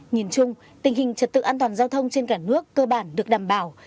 nhìn chung tình hình trật tự an toàn giao thông trên cả nước cơ bản được đảm bảo